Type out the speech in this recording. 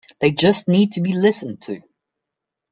They just need to be listened to.